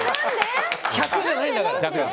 １００じゃないんだから。